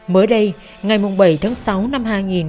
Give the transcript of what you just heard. mới đây ngày bảy tháng sáu năm hai nghìn một mươi chín